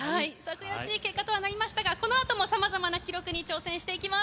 悔しい結果とはなりましたが、このあともさまざまな記録に挑戦していきます。